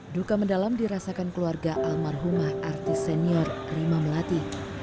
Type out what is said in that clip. duka mendalam dirasakan keluarga almarhumah artis senior rima melati